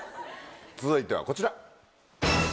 続いてはこちら。